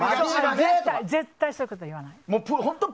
絶対そういうこと言わない。